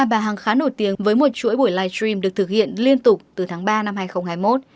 ba bà hằng khá nổi tiếng với một chuỗi buổi live stream được thực hiện liên tục từ tháng ba năm hai nghìn hai mươi một